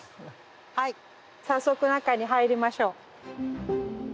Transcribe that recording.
早速中に入りましょう。